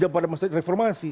pada masa ini reformasi